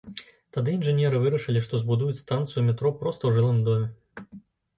Тады інжынеры вырашылі, што збудуюць станцыю метро проста ў жылым доме.